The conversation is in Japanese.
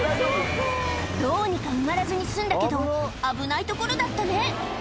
どうにか埋まらずに済んだけど危ないところだったね